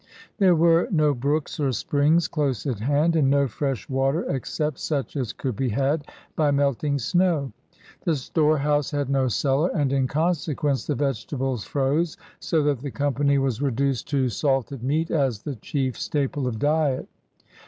There were no brooks or springs dose at hand, and no fresh water accept such as could be had by melting snow. The storehouse had no cellar, and in consequence the vq^etables froze, so that the company was reduced to salted THE FOUNDING OF NEW FRANCE 37 « meat as the chief staple of diet.